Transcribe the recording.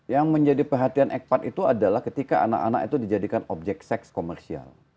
yang menjadi perhatian ekpat itu adalah ketika anak anak itu dijadikan objek seks komersial